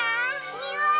におい！